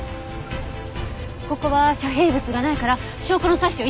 ここは遮蔽物がないから証拠の採取を急がないと。